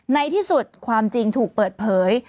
ในที่สุดความจริงถูกเปิดเผย